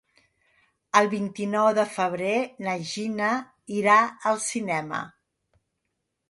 El vint-i-nou de febrer na Gina irà al cinema.